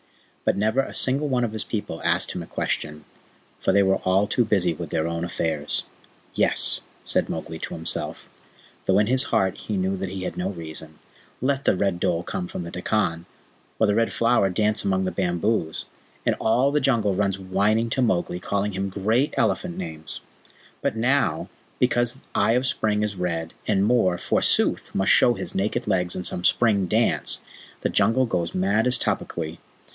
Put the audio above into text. But never a single one of his people asked him a question, for they were all too busy with their own affairs. "Yes," said Mowgli to himself, though in his heart he knew that he had no reason. "Let the Red Dhole come from the Dekkan, or the Red Flower dance among the bamboos, and all the Jungle runs whining to Mowgli, calling him great elephant names. But now, because Eye of the Spring is red, and Mor, forsooth, must show his naked legs in some spring dance, the Jungle goes mad as Tabaqui....